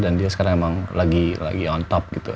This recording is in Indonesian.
dia sekarang emang lagi on top gitu